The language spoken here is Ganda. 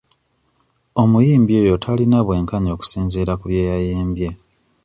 Omuyimbi oyo talina bwenkanya okusinziira ku bye yayimbye.